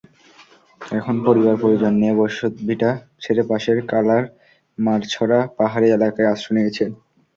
এখন পরিবার পরিজন নিয়ে বসতভিটা ছেড়ে পাশের কালারমারছড়া পাহাড়ি এলাকায় আশ্রয় নিয়েছেন।